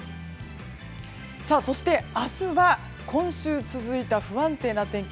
そして、明日は今週続いた不安定な天気